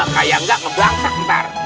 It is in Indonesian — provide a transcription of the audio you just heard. kayak enggak ngebangsak bentar